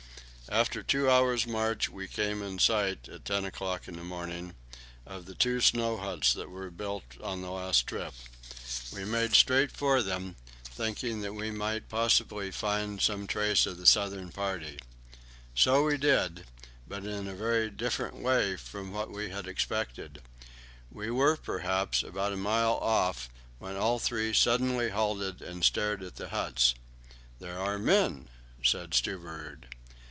After two hours' march we came in sight, at ten o'clock in the morning, of the two snow huts that were built on the last trip. We made straight for them, thinking we might possibly find some trace of the southern party. So we did, though in a very different way from what we expected. We were, perhaps, about a mile off when we all three suddenly halted and stared at the huts. "There are men," said Stubberud.